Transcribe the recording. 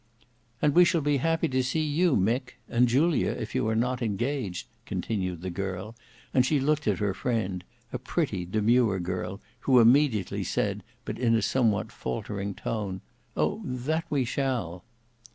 "And we shall be happy to see you, Mick; and Julia, if you are not engaged;" continued the girl; and she looked at her friend, a pretty demure girl, who immediately said, but in a somewhat faultering tone, "Oh! that we shall."